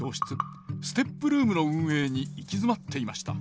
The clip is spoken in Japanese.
ＳＴＥＰルームの運営に行き詰まっていました。